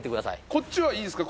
こっちはいいですか？